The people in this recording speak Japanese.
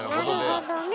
なるほどね。